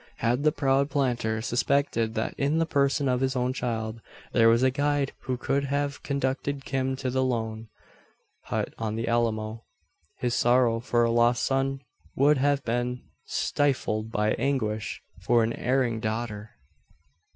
Had the proud planter suspected that in the person of his own child, there was a guide who could have conducted kim to the lone hut on the Alamo, his sorrow for a lost son would have been stifled by anguish for an erring daughter.